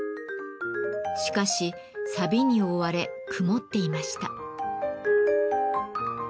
しかしさびに覆われ曇っていました。